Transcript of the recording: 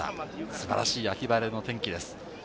素晴らしい秋晴れの天気です。